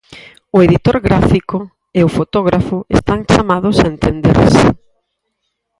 O editor gráfico e o fotógrafo están chamados a entenderse.